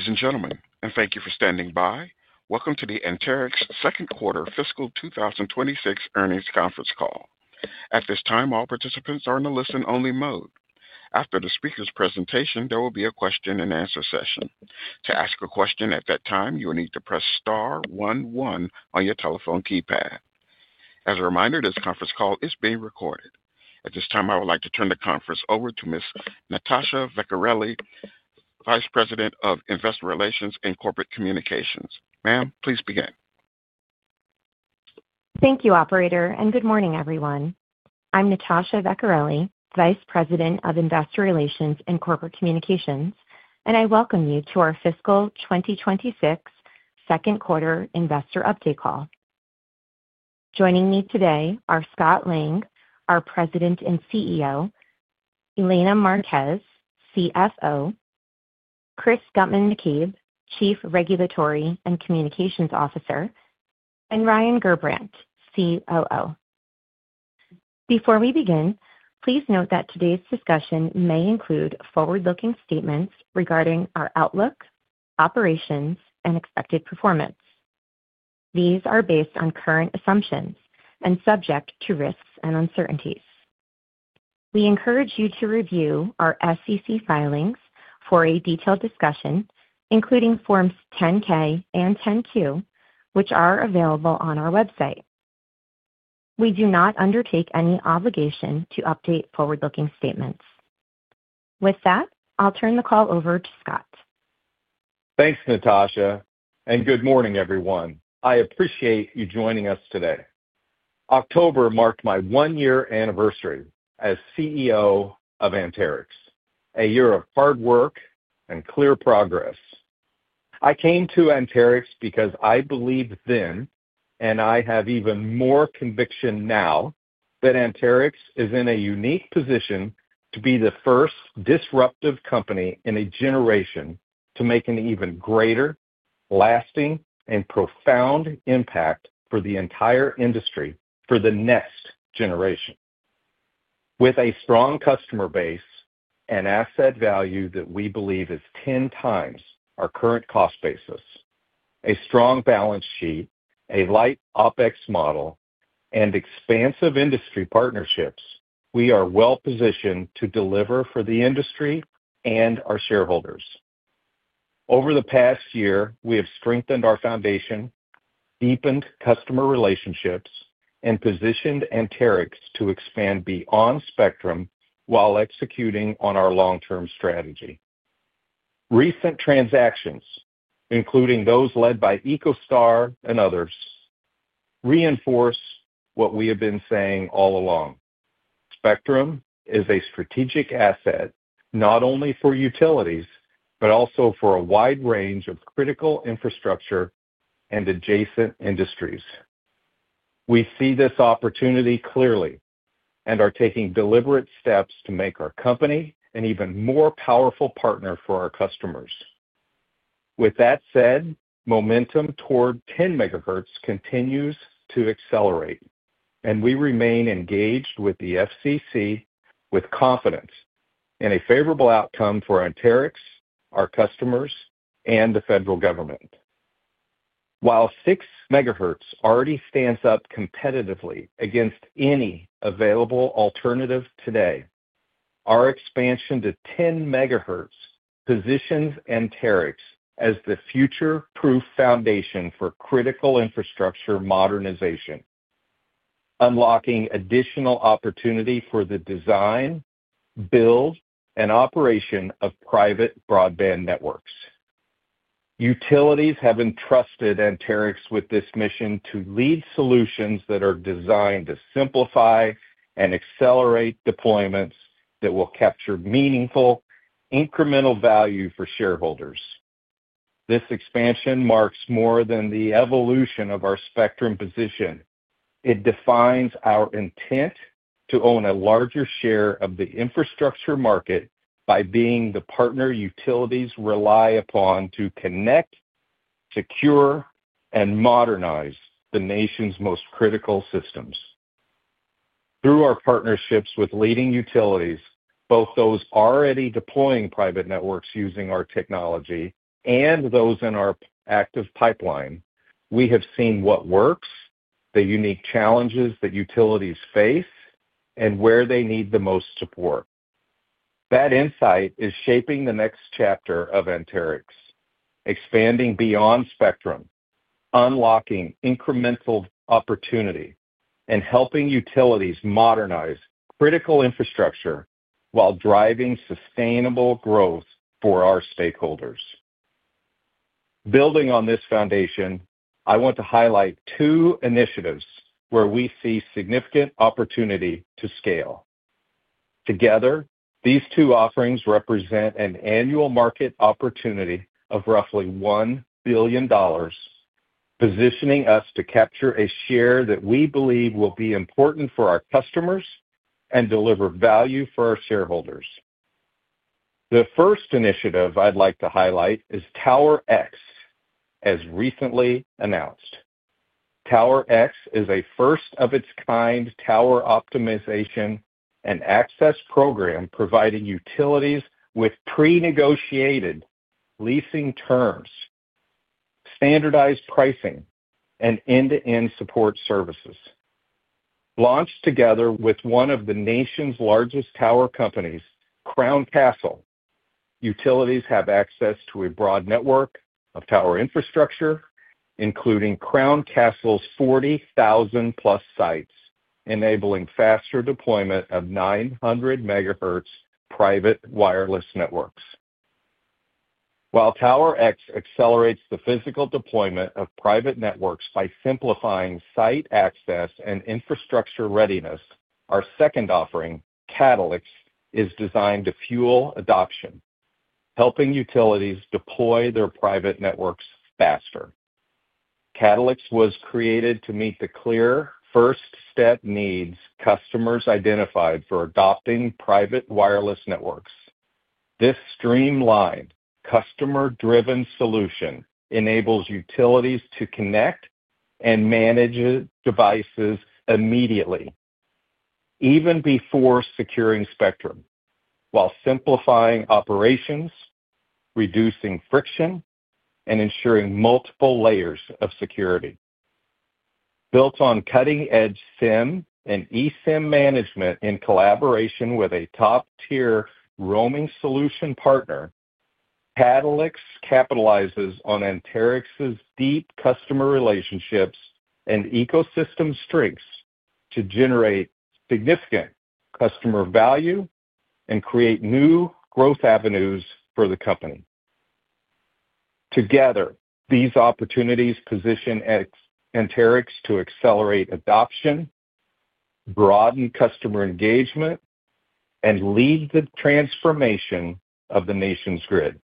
Ladies and gentlemen, thank you for standing by. Welcome to the Anterix Second Quarter Fiscal 2026 Earnings Conference Call. At this time, all participants are in the listen-only mode. After the speaker's presentation, there will be a question and answer session. To ask a question at that time, you will need to press star one one on your telephone keypad. As a reminder, this conference call is being recorded. At this time, I would like to turn the conference over to Ms. Natasha Vecchiarelli, Vice President of Investor Relations and Corporate Communications. Ma'am, please begin. Thank you, Operator, and good morning, everyone. I'm Natasha Vaccarelli, Vice President of Investor Relations and Corporate Communications, and I welcome you to our fiscal 2026 second quarter investor update call. Joining me today are Scott Lang, our President and CEO, Elena Marquez, CFO, Chris Guttman-McCabe, Chief Regulatory and Communications Officer, and Ryan Gerbrandt, COO. Before we begin, please note that today's discussion may include forward-looking statements regarding our outlook, operations, and expected performance. These are based on current assumptions and subject to risks and uncertainties. We encourage you to review our SEC filings for a detailed discussion, including Forms 10-K and 10-Q, which are available on our website. We do not undertake any obligation to update forward-looking statements. With that, I'll turn the call over to Scott. Thanks Natasha and good morning everyone. I appreciate you joining us today. October marked my one year anniversary as CEO of Anterix. A year of hard work and clear progress. I came to Anterix because I believed then, and I have even more conviction now, that Anterix is in a unique position to be the first disruptive company in a generation to make an even greater, lasting and profound impact for the entire industry for the next generation. With a strong customer base and asset value that we believe is 10x our current cost basis, a strong balance sheet, a light OpEx model and expansive industry partnerships, we are well positioned to deliver for the industry and our shareholders. Over the past year we have strengthened our foundation, deepened customer relationships and positioned Anterix to expand beyond spectrum while executing on our long term strategy. Recent transactions, including those led by EcoStar and others, reinforce what we have been saying all along. Spectrum is a strategic asset not only for utilities, but also for a wide range of critical infrastructure and adjacent industries. We see this opportunity clearly and are taking deliberate steps to make our company an even more powerful partner for our customers. With that said, momentum toward 10 MHz continues to accelerate and we remain engaged with the FCC with confidence in a favorable outcome for Anterix, our customers and the federal government. While 6 MHz already stands up competitively against any available alternative. Today, our expansion to 10 MHz positions Anterix as the future-proof foundation for critical infrastructure modernization, unlocking additional opportunity for the design, build and operation of private broadband networks. Utilities have entrusted Anterix with this mission to lead solutions that are designed to simplify and accelerate deployments that will capture meaningful incremental value for shareholders. This expansion marks more than the evolution of our spectrum position. It defines our intent to own a larger share of the infrastructure market by being the partner utilities rely upon to connect, secure, and modernize the nation's most critical systems. Through our partnerships with leading utilities, both those already deploying private networks using our technology and those in our active pipeline, we have seen what works, the unique challenges that utilities face, and where they need the most support. That insight is shaping the next chapter of Anterix expanding beyond spectrum, unlocking incremental opportunity, and helping utilities modernize critical infrastructure while driving sustainable growth for our stakeholders. Building on this foundation, I want to highlight two initiatives where we see significant opportunity to scale. Together, these two offerings represent an annual market opportunity of roughly $1 billion, positioning us to capture a share that we believe will be important for our customers and deliver value for our shareholders. The first initiative I'd like to highlight is TowerX, as recently announced. TowerX is a first of its kind tower optimization and access program providing utilities with pre-negotiated leasing terms, standardized pricing, and end-to-end support services. Launched together with one of the nation's largest tower companies, Crown Castle, utilities have access to a broad network of tower infrastructure including Crown Castle's 40,000 plus sites, enabling faster deployment of 900 MHz private wireless networks. While TowerX accelerates the physical deployment of private networks by simplifying site access and infrastructure readiness, our second offering, CatalyX, is designed to fuel adoption, helping utilities deploy their private networks faster. CatalyX was created to meet the clear first step needs customers identified for adopting private wireless networks. This streamlined customer-driven solution enables utilities to connect and manage devices immediately even before securing spectrum while simplifying operations, reducing friction, and ensuring multiple layers of security. Built on cutting-edge SIEM and eSIM management. In collaboration with a top-tier roaming solution partner, CatalyX capitalizes on Anterix's deep customer relationships and ecosystem strengths to generate significant customer value and create new growth avenues for the company. Together these opportunities position Anterix to accelerate adoption, broaden customer engagement, and lead the transformation of the nation's grid.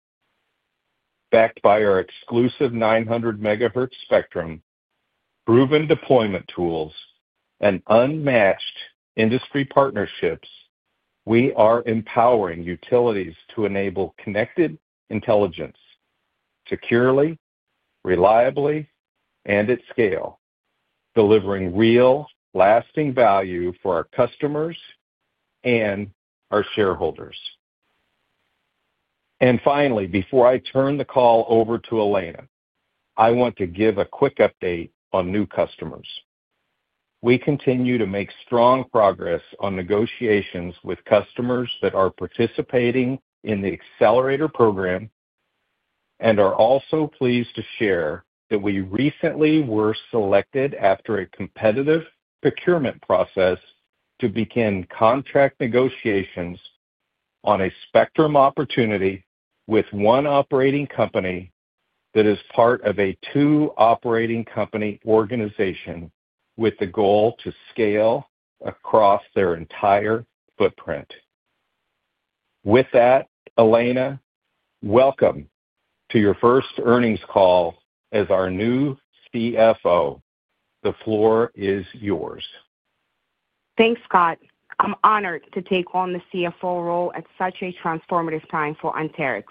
Backed by our exclusive 900 MHz spectrum, proven deployment tools, and unmatched industry partnerships. We are empowering utilities to enable connected intelligence securely, reliably and at scale, delivering real, lasting value for our customers and our shareholders. Finally, before I turn the call over to Elena, I want to give a quick update on new customers. We continue to make strong progress on negotiations with customers that are participating in the Accelerator program and are also pleased to share that we recently were selected after a competitive procurement process to begin contract negotiations on a spectrum opportunity with one operating company that is part of a two operating company organization with the goal to scale across their entire footprint. With that, Elena, welcome to your first earnings call as our new CFO. The floor is yours. Thanks Scott. I'm honored to take on the CFO role at such a transformative time for Anterix.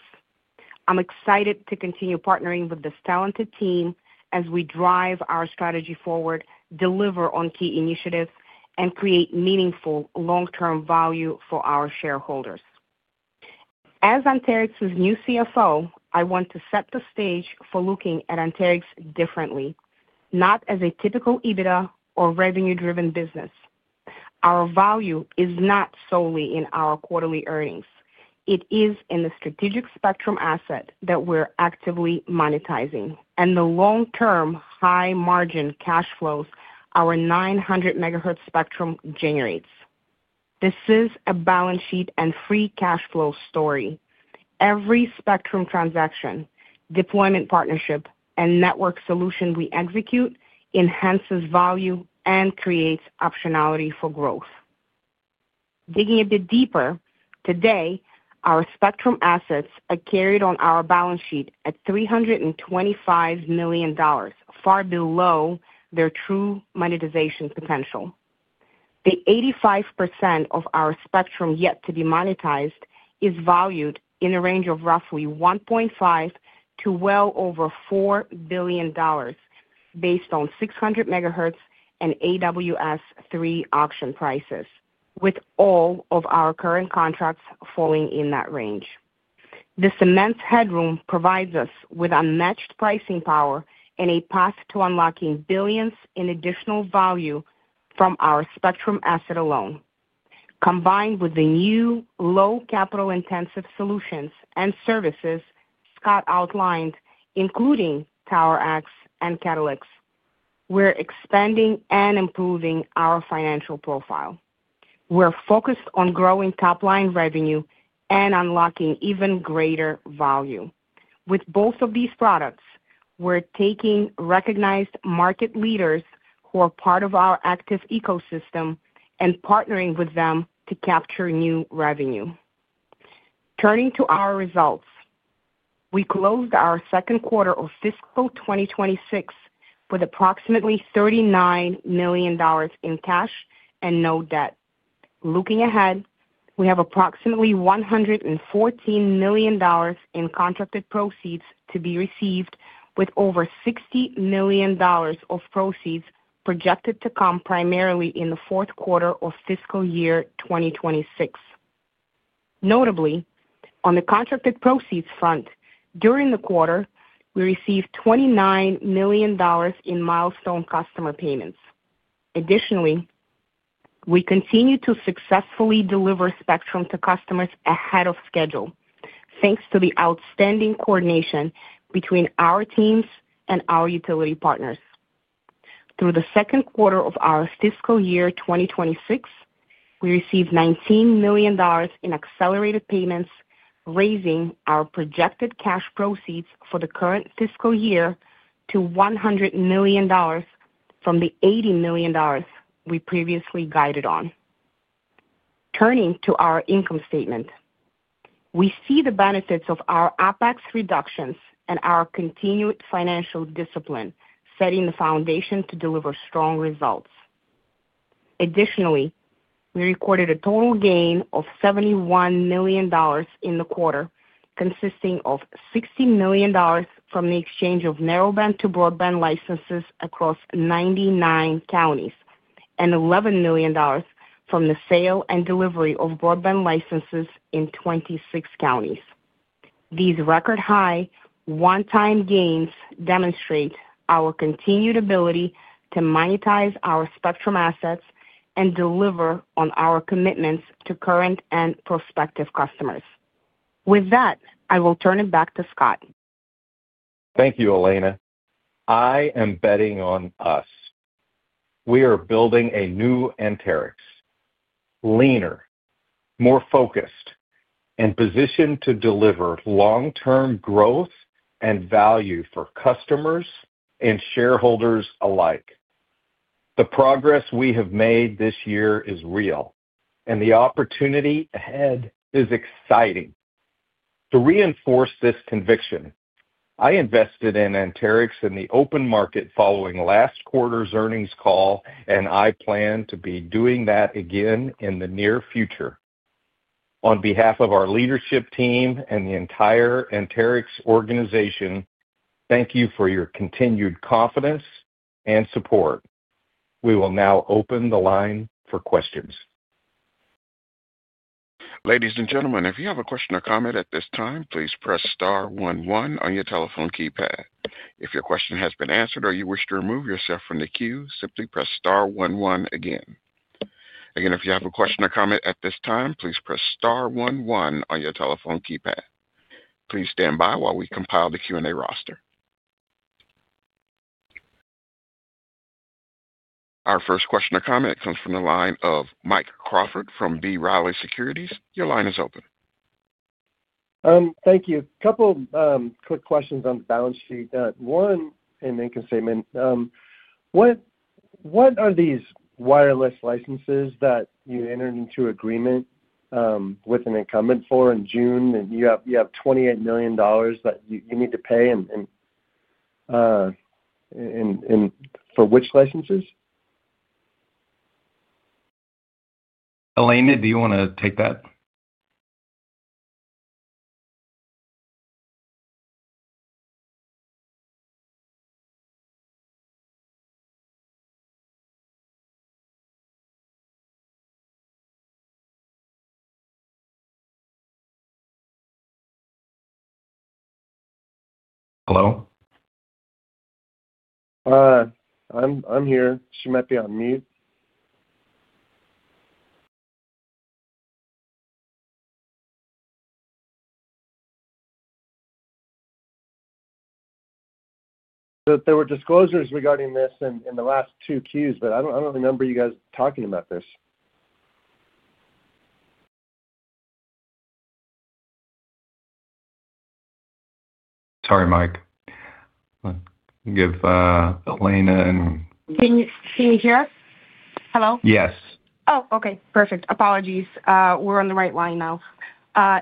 I'm excited to continue partnering with this talented team as we drive our strategy forward, deliver on key initiatives, and create meaningful long term value for our shareholders. As Anterix's new CFO, I want to set the stage for looking at Anterix data differently, not as a typical EBITDA or revenue driven business. Our value is not solely in our quarterly earnings, it is in the strategic spectrum asset that we're actively monetizing and the long term high margin cash flows our 900 MHz spectrum generates. This is a balance sheet and free cash flow story. Every spectrum transaction, deployment, partnership, and network solution we execute enhances value and creates optionality for growth. Digging a bit deeper, today, our spectrum assets are carried on our balance sheet at $325 million, far below their true monetization potential. The 85% of our spectrum yet to be monetized is valued in a range of roughly $1.5 billion to well over $4 billion based on 600 MHz and AWS-3 auction prices, with all of our current contracts falling in that range. This immense headroom provides us with unmatched pricing power and a path to unlocking billions in additional value from our spectrum asset alone. Combined with the new low capital intensive solutions and services Scott outlined, including TowerX and CatalyX, we're expanding and improving our financial profile. We're focused on growing top line revenue and unlocking even greater value. With both of these products, we're taking recognized market leaders who are part of our active ecosystem and partnering with them to capture new revenue. Turning to our results, we closed our second quarter of fiscal 2026 with approximately $39 million in cash and no debt. Looking ahead, we have approximately $114 million in contracted proceeds to be received with over $60 million of proceeds projected to come primarily in the fourth quarter of fiscal year 2026. Notably on the contracted proceeds front, during the quarter, we received $29 million in milestone customer payments. Additionally, we continue to successfully deliver spectrum to customers ahead of schedule thanks to the outstanding coordination between our teams and our utility partners. Through the second quarter of our fiscal year 2026, we received $19 million in accelerated payments, raising our projected cash proceeds for the current fiscal year to $100 million from the $80 million we previously guided on. Turning to our income statement, we see the benefits of our OpEx reductions and our continued financial discipline setting the foundation to deliver strong results. Additionally, we recorded a total gain of $71 million in the quarter, consisting of $60 million from the exchange of narrowband to broadband licenses across 99 counties and $11 million from the sale and delivery of broadband licenses in 26 counties. These record high one time gains demonstrate our continued ability to monetize our spectrum assets and deliver on our commitments to current and prospective customers. With that, I will turn it back to Scott. Thank you, Elena. I am betting on us. We are building a new Anterix, leaner, more focused and positioned to deliver long-term growth and value for customers and shareholders alike. The progress we have made this year is real and the opportunity ahead is exciting. To reinforce this conviction, I invested in Anterix in the open market following last quarter's earnings call and I plan to be doing that again in the near future. On behalf of our leadership team and the entire Anterix organization, thank you for your continued confidence and support. We will now open the line for questions. Ladies and gentlemen, if you have a question or comment at this time, please press star one one on your telephone keypad. If your question has been answered or you wish to remove yourself from the queue, simply press star one one again. Again, if you have a question or comment at this time, please press star one one on your telephone keypad. Please stand by while we compile the Q&A roster. Our first question or comment comes from the line of Mike Crawford from B. Riley Securities. Your line is open. Thank you. Couple quick questions on the balance sheet, one and income statement. What are these wireless licenses that you entered into agreement with an incumbent for in June, and you have $28 million that you need to pay, and for which licenses? Elena, do you want to take that? Hello? I'm here. She might be on mute. There were disclosures regarding this in the last two Qs, but I don't remember you guys talking about this. Sorry, Mike. Elena. Can you hear? Hello? Yes. Oh, okay, perfect. Apologies. We're on the right line now.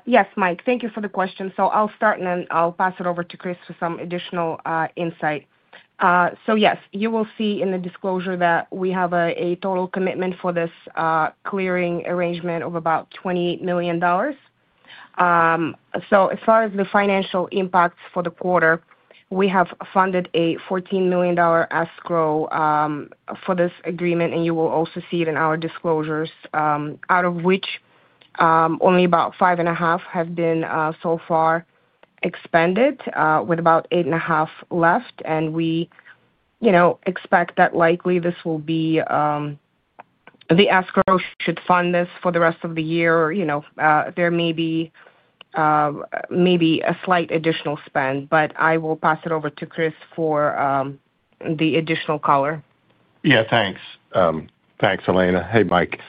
Yes, Mike, thank you for the question. I'll start and then I'll pass it over to Chris for some additional insight. Yes, you will see in the disclosure that we have a total commitment for this clearing arrangement of about $28 million. As far as the financial impacts for the quarter, we have funded a $14 million escrow for this agreement. You will also see it in our disclosures, out of which only about $5.5 million have been so far expended with about $8.5 million left. We, you know, expect that likely this will be the escrow should fund this for the rest of the year. You know, there may be maybe a slight additional spend, but I will pass it over to Chris for the additional color. Yeah, thanks. Thanks, Elena. Hey, Mike.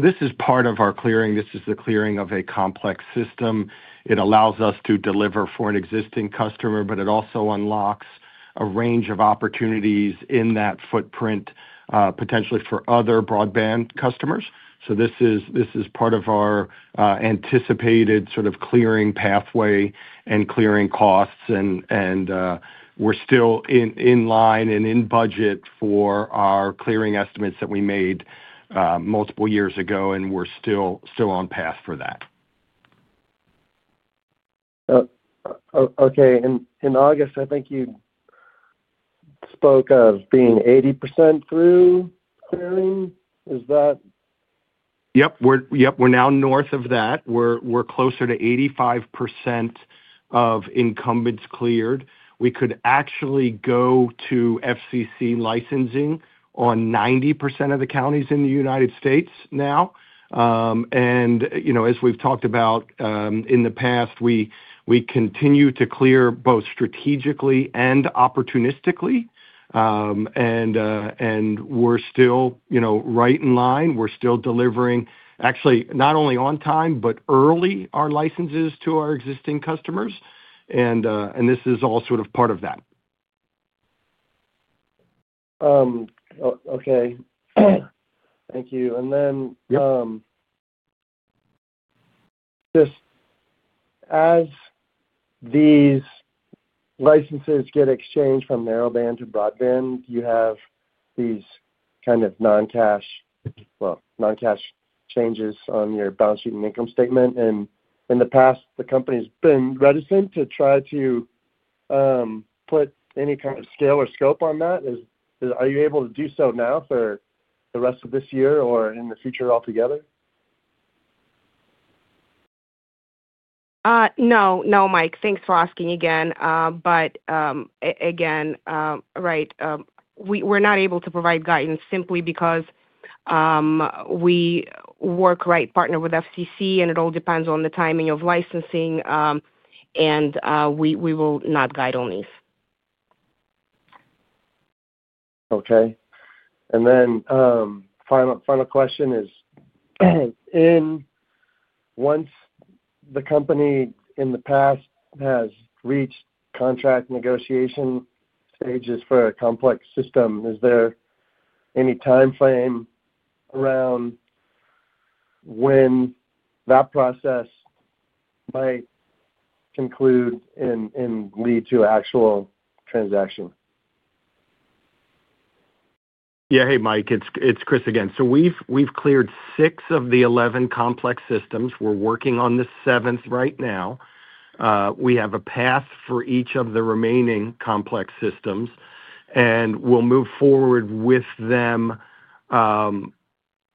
This is part of our clearing. This is the clearing of a complex system. It allows us to deliver for an existing customer, but it also unlocks a range of opportunities in that footprint, potentially for other broadband customers. This is part of our anticipated sort of clearing pathway and clearing costs. We're still in line and in budget for our clearing estimates that we made multiple years ago, and we're still on path for that. Okay. In August, I think you spoke of being 80% through clearing. Is that? Yep, yep. We're now north of that. We're closer to 85% of incumbents cleared. We could actually go to FCC licensing on 90% of the counties in the United States now. You know, as we've talked about in the past, we continue to clear both strategically and opportunistically, and we're still, you know, right in line. We're still delivering actually, not only on time, but early, our licenses to our existing customers. This is all sort of part of that. Okay, thank you. Just as these licenses get exchanged from narrowband to broadband, you have these kind of non-cash, well, non-cash changes on your balance sheet and income statement. In the past, the company's been reticent to try to put any kind of scale or scope on that. Are you able to do so now for the rest of this year or in the future altogether? No, no, Mike, thanks for asking again. Right. We're not able to provide guidance simply because we work, right, partner with FCC and it all depends on the timing of licensing and we will not guide on these. Okay. And then final question is in. Once the company in the past has reached contract negotiation stages for a complex system, is there any time frame around when that process might conclude and lead to actual transaction? Yeah. Hey, Mike, it's Chris again. We've cleared six of the 11 complex systems. We're working on the seventh right now. We have a path for each of the remaining complex systems and we'll move forward with them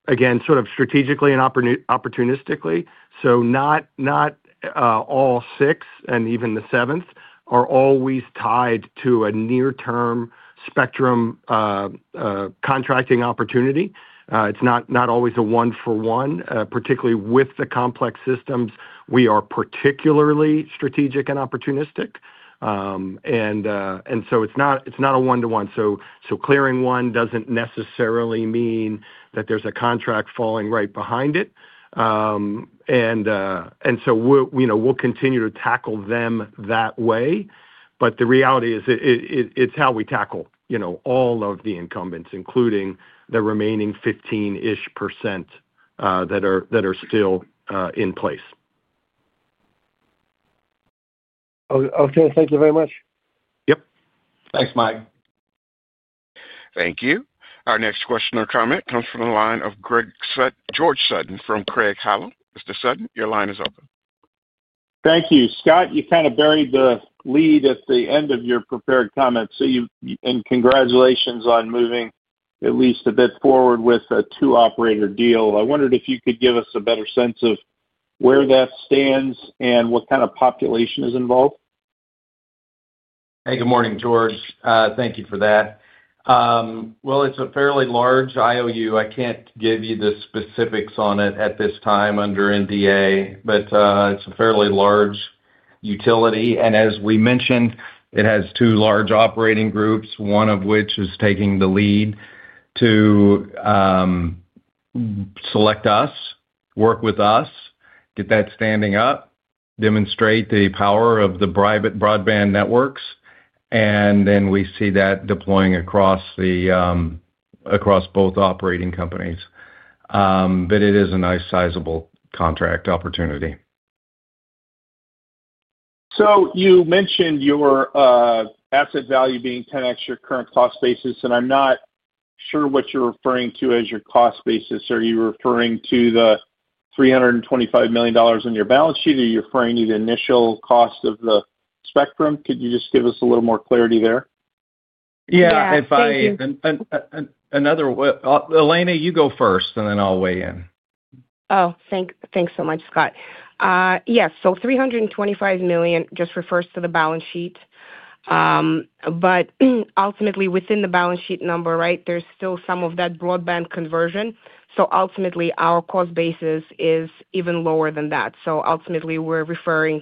again, sort of strategically and opportunistically. Not all six, and even the seventh, are always tied to a near-term spectrum contracting opportunity. It's not always a one-for-one, particularly with the complex systems. We are particularly strategic and opportunistic, and it's not a one-to-one. Clearing one doesn't necessarily mean that there's a contract falling right behind it. We'll continue to tackle them that way, but the reality is it's how we tackle all of the incumbents, including the remaining 15% that are still in place. Okay, thank you very much. Yep, thanks, Mike. Thank you. Our next question or comment comes from the line of George Sutton from Craig-Hallum Capital Group. Mr. Sutton, your line is open. Thank you, Scott. You kind of buried the lead at the end of your prepared comments, and congratulations on moving at least a bit forward with a two operator deal. I wondered if you could give us a better sense of where that stands and what kind of population is involved. Hey, good morning, George. Thank you for that. It's a fairly large IOU. I can't give you the specifics on it at this time under NDA, but it's a fairly large utility. As we mentioned, it has two large operating groups, one of which is taking the lead to select us, work with us, get that standing up, demonstrate the power of the private broadband networks, and then we see that deploying across both operating companies. It is a nice, sizable contract opportunity. You mentioned your asset value being 10x your current cost basis. I'm not sure what you're referring to as your cost basis. Are you referring to the $325 million on your balance sheet? Are you referring to the initial cost of the spectrum? Could you just give us a little more clarity there? Yeah, if I. Another. Elena, you go first and then I'll weigh in. Oh, thanks so much, Scott. Yes. $325 million just refers to the balance sheet, but ultimately within the balance sheet number right there's still some of that broadband conversion. Ultimately our cost basis is even lower than that. Ultimately we're referring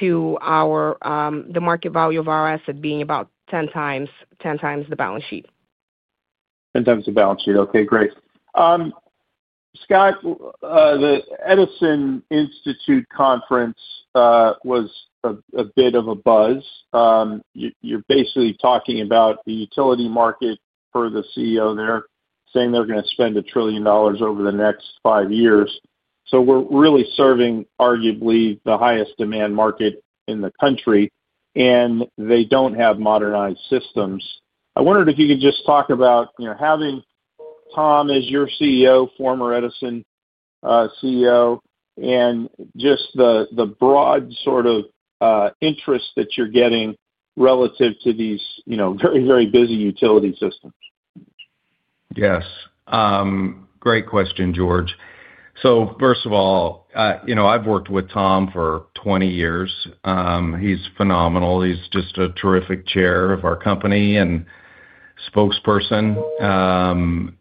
to the market value of our asset being about 10x the balance sheet. 10x the balance sheet. Okay, great Scott. The Edison Institute Conference was a bit of a buzz. You're basically talking about the utility market per the CEO there, saying they're going to spend $1 trillion over the next five years. We are really serving arguably the highest demand market in the country and they do not have modernized systems. I wondered if you could just talk about having Tom as your CEO, former Edison CEO. Just the broad sort of interest that you're getting relative to these, you know, very, very busy utility systems. Yes, great question, George. So first of all, you know, I've worked with Tom for 20 years. He's phenomenal. He's just a terrific Chair of our company and spokesperson.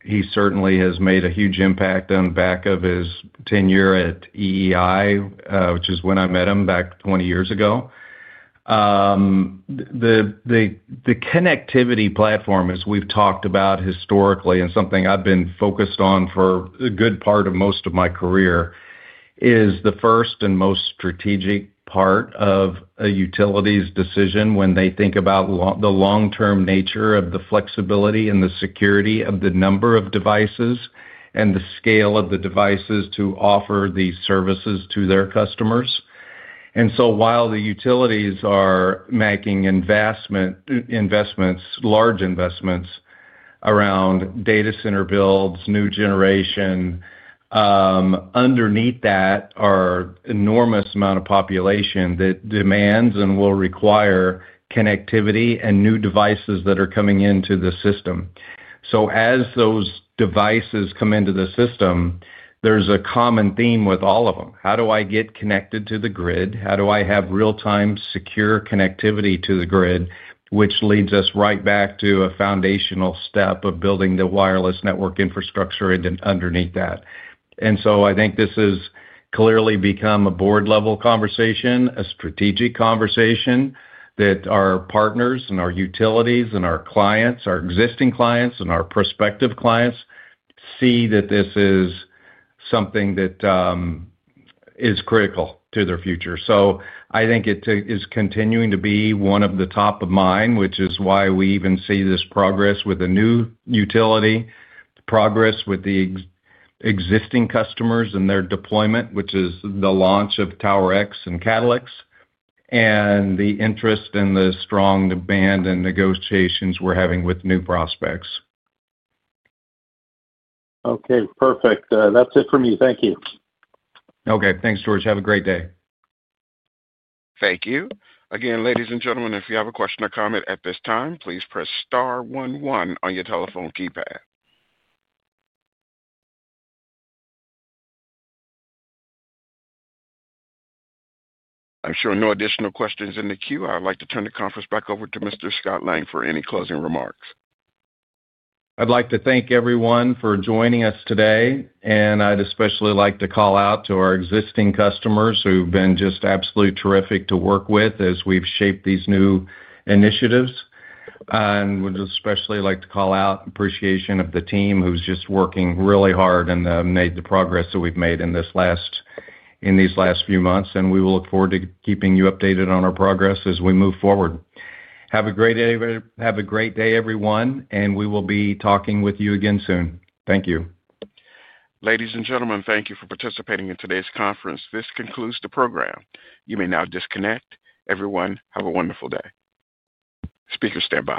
He certainly has made a huge impact on back of his tenure at EEI, which is when I met him back 20 years ago. The connectivity platform, as we've talked about historically and something I've been focused on for a good part of most of my career, is the first and most strategic part of a utility's decision when they think about the long term nature of the flexibility and the security of the number of devices and the scale of the devices to offer these services to their customers. While the utilities are making investments, large investments around data center builds, new generation, underneath that are enormous amount of population that demands and will require connectivity and new devices that are coming into the system. As those devices come into the system, there's a common theme with all of them. How do I get connected to the grid? How do I have real time secure connectivity to the grid? This leads us right back to a foundational step of building the wireless network infrastructure underneath that. I think this has clearly become a Board-level conversation, a strategic conversation that our partners and our utilities and our clients, our existing clients and our prospective clients see that this is something that is critical to their future. I think it is continuing to be one of the top of mind, which is why we even see this progress with a new utility, progress with the existing customers and their deployment, which is the launch of TowerX and CatalyX and the interest in the strong demand and negotiations we're having with new prospects. Okay, perfect. That's it for me, thank you. Okay, thanks George. Have a great day. Thank you again. Ladies and gentlemen, if you have a question or comment at this time, please press star one one on your telephone keypad. I am showing no additional questions in the queue. I would like to turn the conference back over to Mr. Scott Lang for any closing remarks. I'd like to thank everyone for joining us today. I'd especially like to call out to our existing customers who've been just absolutely terrific to work with as we've shaped these new initiatives. I'd especially like to call out appreciation of the team who's just working really hard and made the progress that we've made in these last few months. We will look forward to keeping you updated on our progress as we move forward. Have a great day. Have a great day, everyone. We will be talking with you again soon. Thank you. Ladies and gentlemen, thank you for participating in today's conference. This concludes the program. You may now disconnect. Everyone, have a wonderful day. Speakers, stand by.